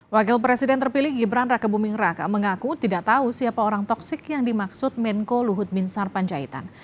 wakil presiden terpilih gibran raka buming raka mengaku tidak tahu siapa orang toksik yang dimaksud menko luhut bin sarpanjaitan